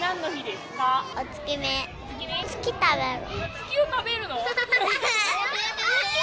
月を食べるの？